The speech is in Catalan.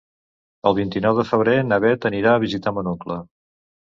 El vint-i-nou de febrer na Beth anirà a visitar mon oncle.